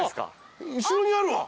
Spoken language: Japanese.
後ろにあるわ！